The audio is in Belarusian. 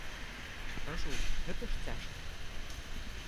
Кажу, гэта ж цяжка.